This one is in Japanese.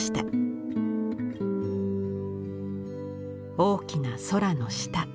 大きな空の下。